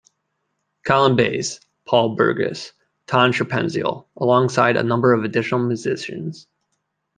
Colin Bass, Paul Burgess, Ton Scherpenzeel, alongside a number of additional musicians.